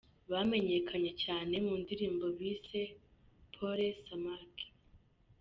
bamenyekanye cyane mu ndirimbo bise Pole Samaki.